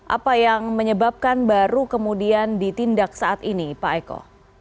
apa yang menyebabkan baru kemudian ditindak saat ini pak eko